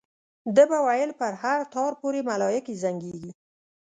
ده به ویل په هر تار پورې ملایکې زنګېږي.